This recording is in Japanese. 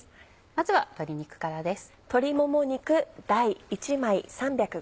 まずは鶏肉からです。